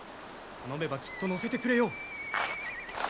頼めばきっと乗せてくれよう。